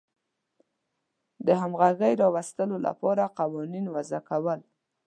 د همغږۍ راوستلو لپاره قوانین وضع کول.